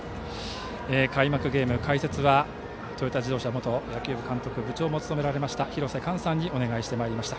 開幕ゲーム解説はトヨタ自動車野球部元監督部長も務められました廣瀬寛さんにお願いしてまいりました。